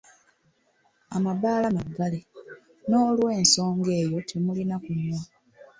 Amabaala maggale, n’olw’ensonga eyo temulina kunywa.